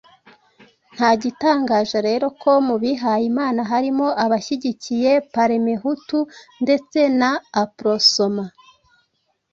Nta gitangaje rero ko mu bihayimana harimo abashyigikiye Parmehutu ndetse na Aprosoma